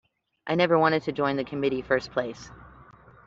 I never wanted to join the committee first place.